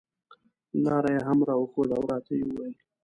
لاره یې هم راښوده او راته یې وویل.